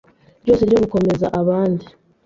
ryose ryo gukomeza abandi